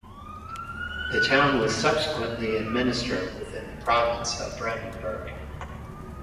The town was subsequently administered within the Province of Brandenburg.